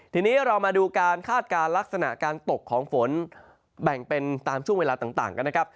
ทีนี้เรามาดูการคาดการณ์ลักษณะการตกของฝนแบ่งเป็นตามช่วงเวลาต่างกันนะครับ